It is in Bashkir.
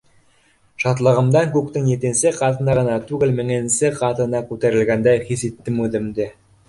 Шатлығымдан күктең етенсе ҡатына ғына түгел, меңенсе ҡатына күтәрелгәндәй хис иттем үҙемде.